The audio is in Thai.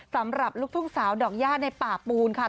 สำหรับลูกทุ่งสาวดอกย่าในป่าปูนค่ะ